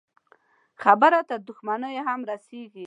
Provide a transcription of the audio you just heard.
خبره تر دښمنيو هم رسېږي.